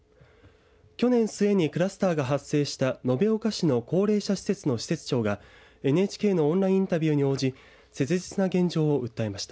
去年末にクラスターが発生した延岡市の高齢者施設の施設長がＮＨＫのオンラインインタビューに応じ切実な現状を訴えました。